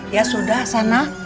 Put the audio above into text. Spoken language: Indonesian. ya sudah sana